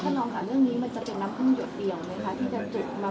ถ้าลองถามเรื่องนี้มันจะเป็นน้ำครึ่งหยุดเดียวไหมคะ